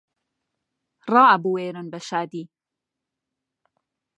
ڕائەبوێرن بە شادی